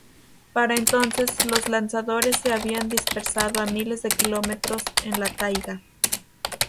Para entonces los lanzadores se habían dispersado a miles de km en la taiga.